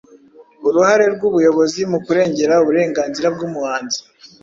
Uruhare rw’ubuyobozi mu kurengera uburenganzira bw’umuhanzi